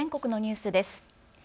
続いて全国のニュースです。